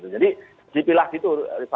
jadi dipilah gitu